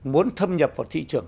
muốn thâm nhập vào thị trường